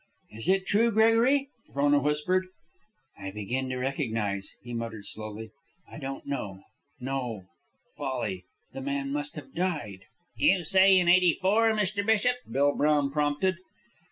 "Is it true, Gregory?" Frona whispered. "I begin to recognize," he muttered, slowly. "I don't know ... no, folly! The man must have died." "You say in '84, Mr. Bishop?" Bill Brown prompted.